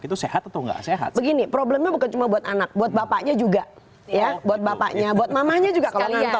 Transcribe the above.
itu sehat atau nggak sehat begini problemnya bukan cuma buat anak buat bapaknya juga ya buat bapaknya